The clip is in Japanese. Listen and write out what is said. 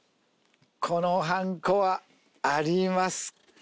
このはんこはありますか？